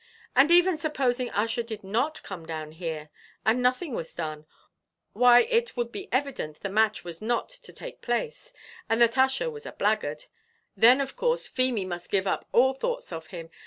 "And even supposing Ussher did not come down here, and nothing was done, why it would be evident the match was not to take place, and that Ussher was a blackguard; then of course Feemy must give up all thoughts of him.